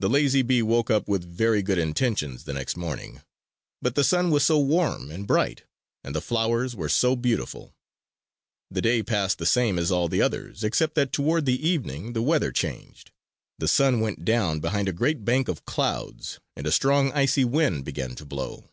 The lazy bee woke up with very good intentions the next morning; but the sun was so warm and bright and the flowers were so beautiful! The day passed the same as all the others; except that toward evening the weather changed. The sun went down behind a great bank of clouds and a strong icy wind began to blow.